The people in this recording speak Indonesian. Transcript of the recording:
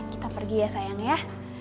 kita pergi ya sayang ya